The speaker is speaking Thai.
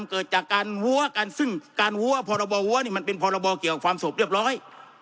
เกิดจากการวัวกันซึ่งการวัวพรบวัวนี่มันเป็นพรบเกี่ยวกับความสบเรียบร้อย